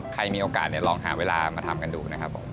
ใครมีโอกาสเนี่ยลองหาเวลามาทำกันดูนะครับผม